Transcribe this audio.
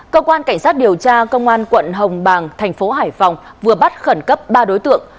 cơ quan cảnh sát điều tra công an quận hồng bàng thành phố hải phòng vừa bắt khẩn cấp ba đối tượng